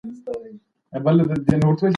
مور د ماشوم د خطرناکو شيانو مخه نيسي.